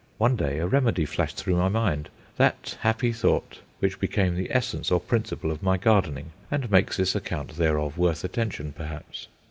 One day a remedy flashed through my mind: that happy thought which became the essence or principle of my gardening, and makes this account thereof worth attention perhaps.